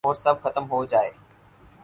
اور سب ختم ہوجائے